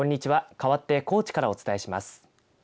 かわって高知からお伝えします。